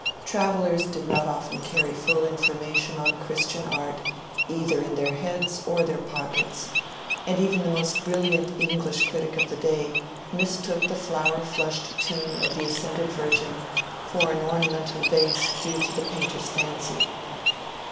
Travellers did not often carry full information on Christian art either in their heads or their pockets; and even the most brilliant English critic of the day mistook the flower flushed tomb of the ascended Virgin for an ornamental vase due to the painter's fancy.